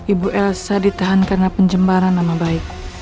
ibu elsa ditahan karena pencemaran nama baik